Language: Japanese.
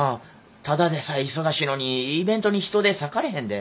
ただでさえ忙しいのにイベントに人手割かれへんで。